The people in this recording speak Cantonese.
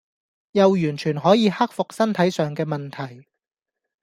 又完全可以克服身體上嘅問題